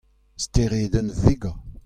Steredenn Vega.